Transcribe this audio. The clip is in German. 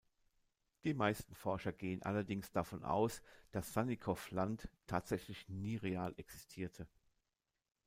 Die meisten Forscher gehen allerdings davon aus, dass Sannikow-Land tatsächlich nie real existierte.